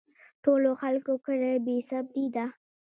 ټولو خلکو کړی بې صبري ده